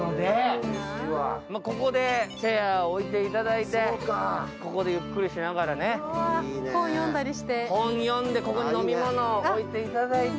ここでチェアを置いていただいて、ここでゆっくりしながら本読んで、ここに飲み物を置いていただいて。